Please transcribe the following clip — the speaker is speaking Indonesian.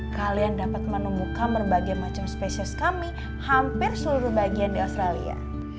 kalian dapat menemukan berbagai macam spesies kami hampir seluruh bagian di australia